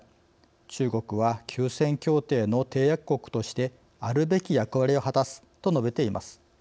中国は休戦協定の締約国としてあるべき役割を果たす」と述べています。